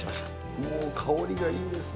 もう香りがいいですね。